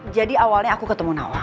jadi awalnya aku ketemu nawang